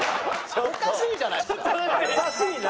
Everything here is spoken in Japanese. おかしいじゃないですか。